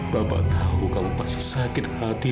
bapak tahu kamu pasti sakit hati